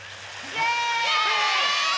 イエーイ！